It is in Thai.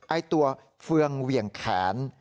ไอ้ตัวเฟืองเหวี่ยงแขน